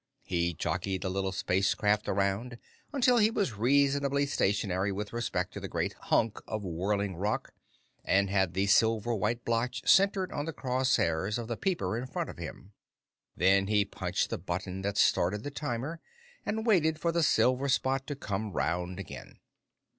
He jockeyed the little spacecraft around until he was reasonably stationary with respect to the great hunk of whirling rock and had the silver white blotch centered on the crosshairs of the peeper in front of him. Then he punched the button that started the timer and waited for the silver spot to come round again.